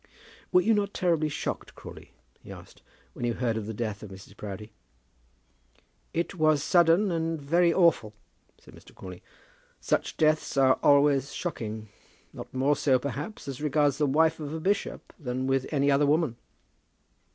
"Were you not terribly shocked, Crawley," he asked, "when you heard of the death of Mrs. Proudie?" "It was sudden and very awful," said Mr. Crawley. "Such deaths are always shocking. Not more so, perhaps, as regards the wife of a bishop, than with any other woman."